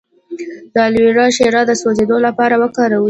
د الوویرا شیره د سوځیدو لپاره وکاروئ